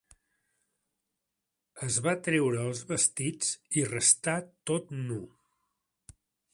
Es va treure els vestits i restà tot nu.